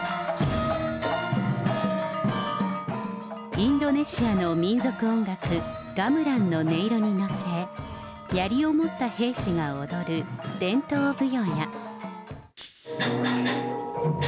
インドネシアの民族音楽、ガムランの音色に乗せ、やりを持った兵士が踊る伝統舞踊や。